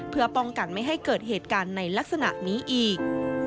เพื่อป้องกันไม่ให้เกิดเหตุการณ์ในลักษณะนี้อีก